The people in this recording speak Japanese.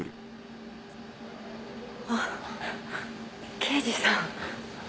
あ刑事さん。